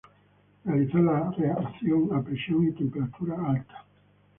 Realizar la reacción a presión y temperatura alta.